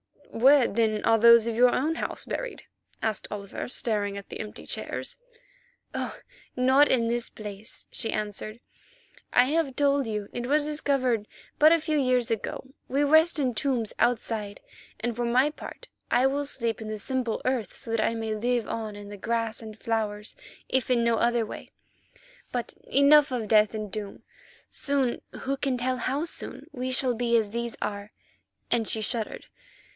"Where, then, are those of your own house buried?" asked Oliver, staring at the empty chairs. "Oh! not in this place," she answered; "I have told you it was discovered but a few years ago. We rest in tombs outside, and for my part I will sleep in the simple earth, so that I may live on in grass and flowers, if in no other way. But enough of death and doom. Soon, who can tell how soon? we shall be as these are," and she shuddered.